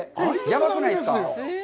やばくないですか？